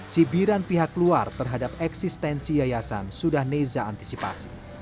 cibiran pihak luar terhadap eksistensi yayasan sudah neza antisipasi